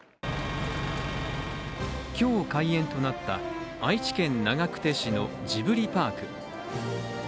今日、開園となった愛知県長久手市のジブリパーク。